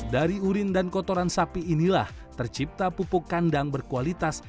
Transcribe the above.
dari urin dan kotoran sapi inilah tercipta pupuk kandang berkualitas